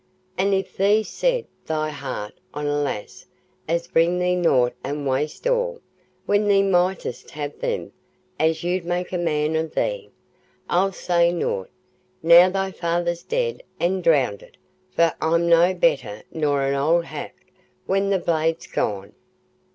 An' if thee'st set thy heart on a lass as'll bring thee nought and waste all, when thee mightst ha' them as 'ud make a man on thee, I'll say nought, now thy feyther's dead an' drownded, for I'm no better nor an old haft when the blade's gone."